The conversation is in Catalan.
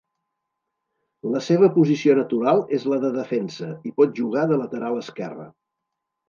La seva posició natural és la de defensa i pot jugar de lateral esquerre.